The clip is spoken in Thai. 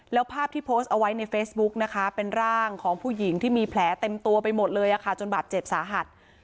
แล้วภาพที่โพสต์เอาไว้ในเฟซบุ๊กนะคะเป็นร่างของผู้หญิงที่มีแผลเต็มตัวไปหมดเลยจนบาดเจ็บสาหัส